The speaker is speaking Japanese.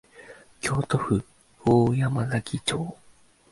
京都府大山崎町